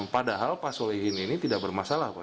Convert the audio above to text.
padahal pak solehin ini tidak bermasalah pak